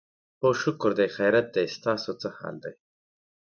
هو شکر دی، خیریت دی، ستاسو څه حال دی؟